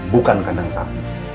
bukan kantor sapi